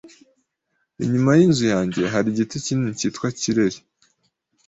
Inyuma yinzu yanjye hari igiti kinini cyitwa kireri.